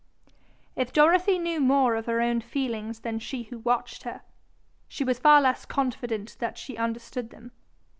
If Dorothy knew more of her own feelings than she who watched her, she was far less confident that she understood them.